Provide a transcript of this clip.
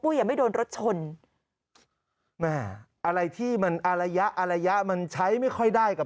ยังไม่โดนรถชนแม่อะไรที่มันอารยะอารยะมันใช้ไม่ค่อยได้กับ